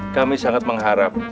kami sangat mengharap